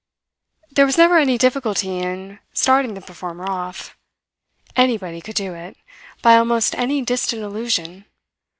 There was never any difficulty in starting the performer off. Anybody could do it, by almost any distant allusion.